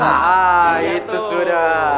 ah itu sudah